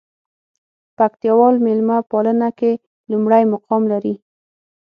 پکتياوال ميلمه پالنه کې لومړى مقام لري.